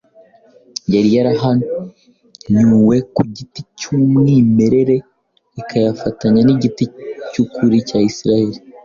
yari yarahanyuwe ku giti cy’umwimerere ikayafatanya n’igiti cy’ukuri cya Isirayeli-